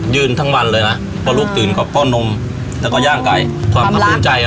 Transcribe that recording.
ยืนทั้งวันเลยน่ะเพราะลูกตื่นกว่าพ่อนมแล้วก็ย่างไกรความรักคุณใจอ่ะ